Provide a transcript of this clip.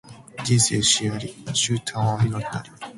人生死あり、終端は命なり